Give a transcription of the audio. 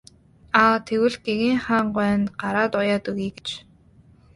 Аа тэгвэл гэгээн хаан гуай нь гараад уяад өгье гэжээ.